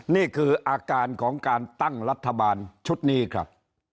นี่คืออาการของการตั้งรัฐบาลชุดนี้ครับ